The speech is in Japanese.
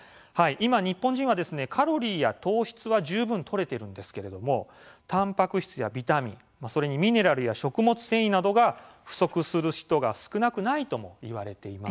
今、日本人はカロリーや糖質は十分とれてるんですけれどもたんぱく質やビタミンそれにミネラルや食物繊維などが不足する人が少なくないともいわれています。